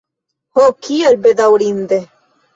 Ho, kiel bedaŭrinde!